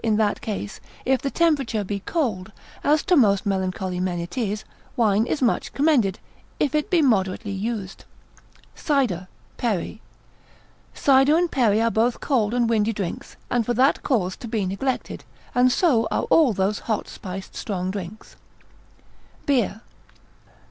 25, in that case, if the temperature be cold, as to most melancholy men it is, wine is much commended, if it be moderately used. Cider, Perry.] Cider and perry are both cold and windy drinks, and for that cause to be neglected, and so are all those hot spiced strong drinks. Beer.